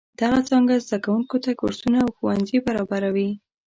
دغه څانګه زده کوونکو ته کورسونه او ښوونځي برابروي.